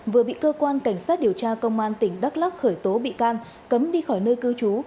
vừa bị cơ quan cảnh sát điều tra công an tỉnh đắk lắc khởi tố bị can cấm đi khỏi nơi cư trú